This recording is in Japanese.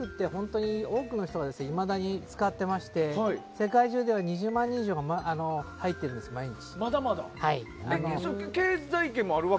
セカンドライフは多くの人がいまだに使っていまして世界中では２０万人以上が毎日入っているんですよ。あります。